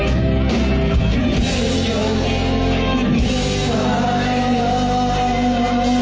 ทุกที่ว่าใช่ไหม